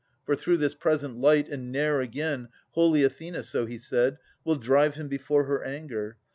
For through this present light — and ne'er again — Holy Athena, so he said, will drive him Before her anger.